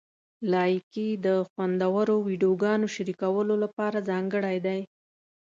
لایکي د خوندورو ویډیوګانو شریکولو لپاره ځانګړی دی.